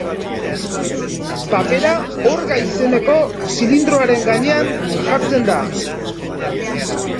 Papera orga izeneko zilindroaren gainean jartzen da.